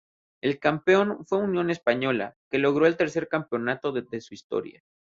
El campeón fue Unión Española, que logró el tercer campeonato de su historia.